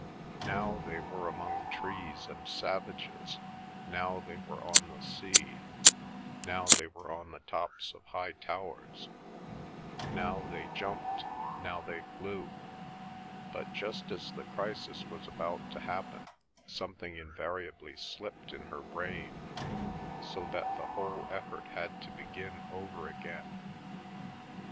Now they were among trees and savages, now they were on the sea, now they were on the tops of high towers; now they jumped; now they flew. But just as the crisis was about to happen, something invariably slipped in her brain, so that the whole effort had to begin over again.